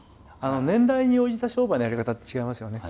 年代に応じた商売のやり方って違いますよね。